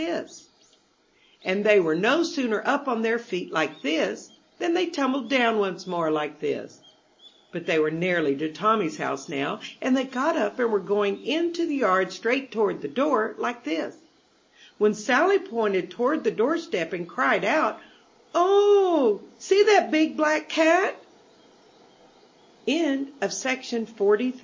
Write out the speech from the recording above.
117 MY BOOK HOUSE And they were no sooner up on their feet, like this, than they tumbled down once more, like this, But they were nearly to Tommy's house now, and they got up and were going in to the yard straight toward the door, like this, ^^^^— ^when Sally pointed toward the doorstep and cried out, '^0 o o o o o oh!